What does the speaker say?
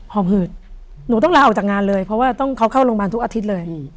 อบหืดหนูต้องลาออกจากงานเลยเพราะว่าต้องเขาเข้าโรงพยาบาลทุกอาทิตย์เลย